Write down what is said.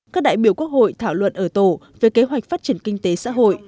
các đại biểu quốc hội thảo luận ở tổ về kế hoạch phát triển kinh tế xã hội